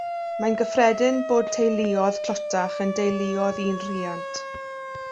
Mae'n gyffredin bod teuluoedd tlotach yn deuluoedd un rhiant